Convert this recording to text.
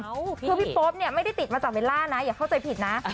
คือพี่โป๊ปเนี่ยไม่ได้ติดมาจากเบลล่านะอย่าเข้าใจผิดนะ